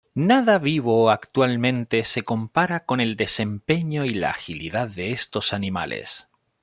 Nada vivo actualmente se compara con el desempeño y la agilidad de estos animales.